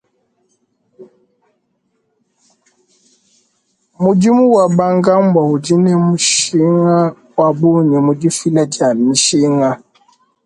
Mudimu wa bankambua udi ne mushinga wa bungi mu difila dia mishinga.